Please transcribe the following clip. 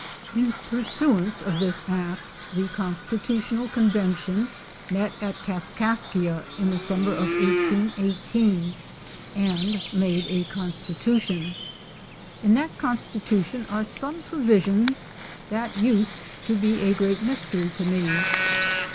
250 In pursuance of this act the constitutional convention met at Kas kaskia in the summer of 1818 and made a constitution. In that con stitution are some provisions that used to be a great mystery to me.